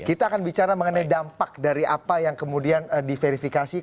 kita akan bicara mengenai dampak dari apa yang kemudian diverifikasi